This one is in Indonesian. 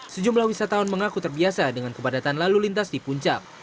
sejumlah wisatawan mengaku terbiasa dengan kepadatan lalu lintas di puncak